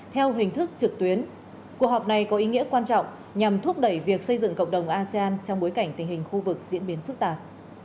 theo hình thức trực tuyến cuộc họp này có ý nghĩa quan trọng nhằm thúc đẩy việc xây dựng cộng đồng asean trong bối cảnh tình hình khu vực diễn biến phức tạp